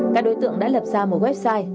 các đối tượng đã lập ra một website